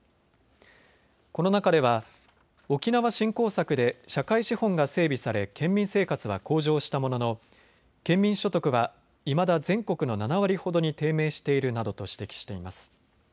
この中では沖縄振興策で社会資本が整備され県民生活は向上したものの県民所得はいまだ全国の７割ほどに低迷しているなどと指摘しています。